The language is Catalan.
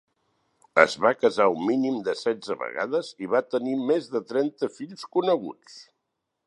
Es va casar un mínim de setze vegades i va tenir més de trenta fills coneguts.